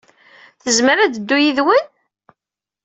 Tezmer ad teddu yid-wen?